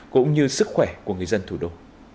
cũng như sức khỏe của người dân thủ đô